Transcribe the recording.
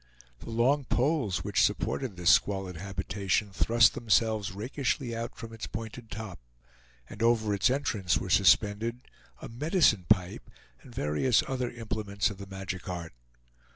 The long poles which supported this squalid habitation thrust themselves rakishly out from its pointed top, and over its entrance were suspended a "medicine pipe" and various other implements of the magic art.